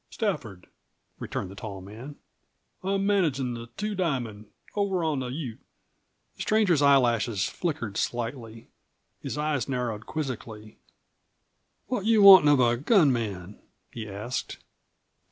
"Stafford," returned the tall man. "I'm managin' the Two Diamond, over on the Ute." The stranger's eyelashes flickered slightly. His eyes narrowed quizzically. "What you wantin' of a gun man?" he asked.